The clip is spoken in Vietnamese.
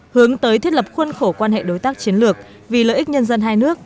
hướng tới thiết lập khuôn khổ quan hệ đối tác chiến lược vì lợi ích nhân dân hai nước